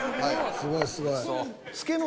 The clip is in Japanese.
すごいすごい。